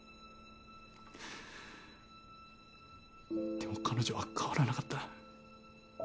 でも彼女は変わらなかった。